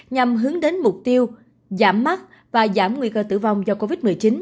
nhằm hướng đến mục tiêu giảm mắt và giảm nguy cơ tử vong do covid một mươi chín